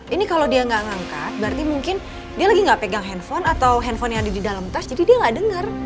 ini kalau dia nggak ngangkat berarti mungkin dia lagi nggak pegang handphone atau handphone yang ada di dalam tas jadi dia nggak dengar